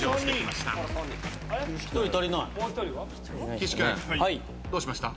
岸君どうしました？